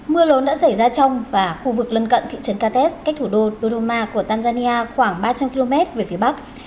mưa lốn đã xảy ra trong và khu vực lân cận thị trấn kates cách thủ đô douma của tanzania khoảng ba trăm linh km về phía bắc